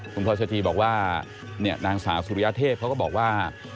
คุณพรสจีบอกว่านางสาวสุริยเทพเขาก็บอกว่า